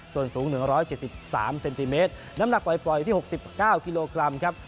ส่วนสูง๑๗๓เซนติเมตรน้ำหนักปล่อยอยู่ที่๖๙กิโลกรัมครับ